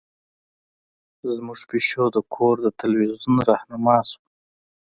زمونږ پیشو د کور د تلویزیون رهنما شوه.